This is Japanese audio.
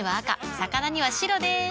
魚には白でーす。